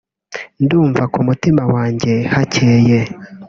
“Ndumva ku mutima wanjye hakeye